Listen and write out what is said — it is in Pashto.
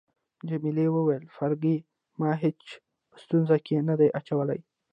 جميلې وويل: فرګي، ما هیچا په ستونزو کي نه ده اچولی.